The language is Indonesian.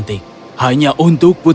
tidak seindah milik